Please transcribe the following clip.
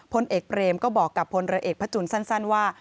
พลเอกเบรมก็บอกกับพลเรือเอกพระจุลสั้นว่า